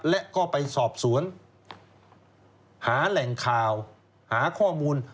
และก็ไปสอบสวนหาแหล่งข่าวหาข้อมูล